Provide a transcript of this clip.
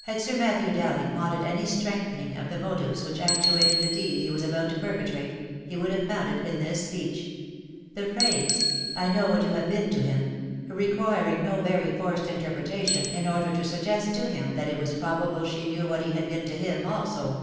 Had Sir Matthew Dowling wanted any strengthening of the motives which actuated the deed he was about to perpetrate, he would have found it in this speech. The phrase, " I know what you have been to him," requiring no very forced interpretation, in order to suggest to him that it was probable she knew what he had been to him also.